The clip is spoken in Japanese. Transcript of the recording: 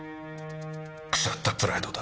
腐ったプライドだ。